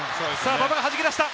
馬場がはじき出した。